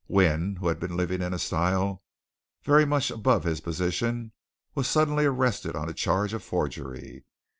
Wynne, who had been living in a style very much above his position, was suddenly arrested on a charge of forgery.